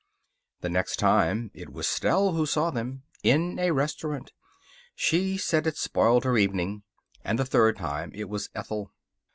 The next time it was Stell who saw them. In a restaurant. She said it spoiled her evening. And the third time it was Ethel.